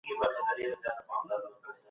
علم انسان ته ځواک ورکوي.